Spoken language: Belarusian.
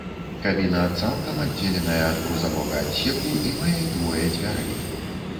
Кабіна цалкам аддзеленая ад грузавога адсеку і мае двое дзвярэй.